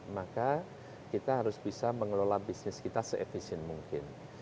maka kita harus bisa mengelola bisnis kita se efisien mungkin